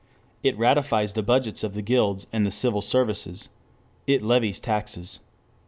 It ratifies the budgets of the guilds and the civil services. It levies taxes.